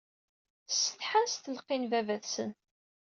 Ssetḥan s tleqqi n baba-tsen.